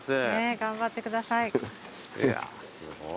頑張ってください。